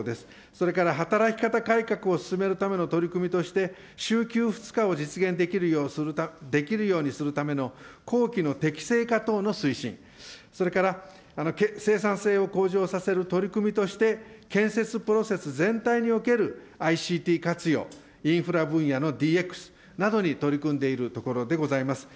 それから働き方改革を進めるための取り組みとして、週休２日を実現できるようにするための、工期の適正化等の推進、それから生産性を向上させる取り組みとして、建設プロセス全体におけるＩＣＴ活用、インフラ分野のＤＸなどに取り組んでいるところでございます。